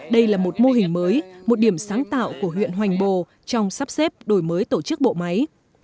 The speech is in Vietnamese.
đây là một mô hình mới một điểm sáng tạo của huyện hoành bồ trong sắp xếp đổi mới tổ chức bộ máy